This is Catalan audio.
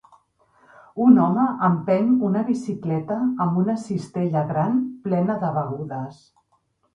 Un home empeny una bicicleta amb una cistella gran plena de begudes.